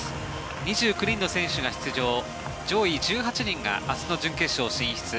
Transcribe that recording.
２９人の選手が出場上位１８人が明日の準決勝進出。